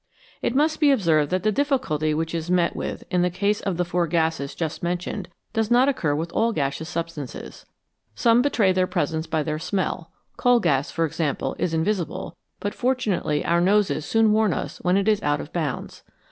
It must be observed that the difficulty which is met with in the case of the four gases just mentioned does not occur with all gaseous substances. Some betray their 39 INVISIBLE SUBSTANCES presence by their smell ; coal gas, for example, is invisible, but fortunately our noses soon warn us when it is out of bounds.